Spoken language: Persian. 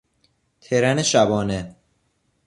ترن شبانه